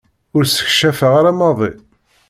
Ur ssekcafeɣ ara maḍi.